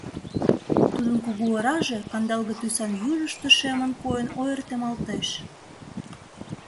тудын кугу ораже кандалге тӱсан южышто шемын койын ойыртемалтеш;